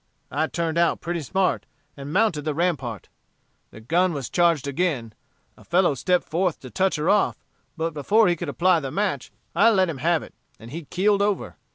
I turned out pretty smart and mounted the rampart. The gun was charged again; a fellow stepped forth to touch her off, but before he could apply the match, I let him have it, and he keeled over.